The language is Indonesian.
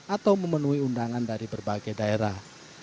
atau memenuhi undangan dari berbagai daerah